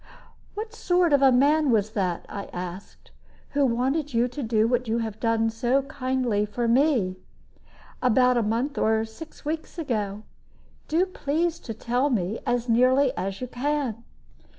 "What sort of a man was that," I asked, "who wanted you to do what now you have so kindly done for me? About a month or six weeks ago? Do please to tell me, as nearly as you can."